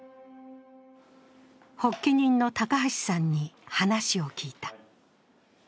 発起人の高橋さんに話を聞いた。